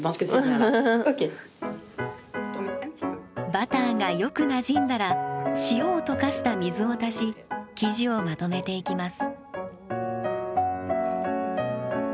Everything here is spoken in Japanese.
バターがよくなじんだら塩を溶かした水を足し生地をまとめていきます。